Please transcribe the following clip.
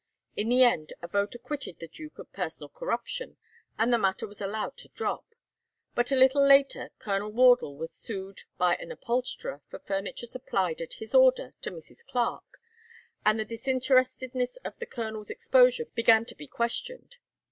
In the end a vote acquitted the duke of personal corruption, and the matter was allowed to drop. But a little later Colonel Wardle was sued by an upholsterer for furniture supplied at his order to Mrs. Clarke, and the disinterestedness of the colonel's exposure began to be questioned.